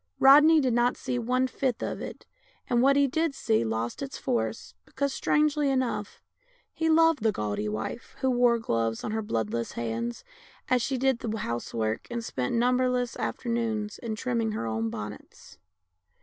Rodney did not see one fifth of it, and what he did see lost its force, because, strangely enough, he loved the gaudy wife who wore gloves on her bloodless hands as she did the house work and spent numberless afternoons in trimming her own bonnets.